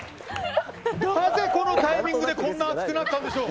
なぜこのタイミングでこんな熱くなったんでしょう。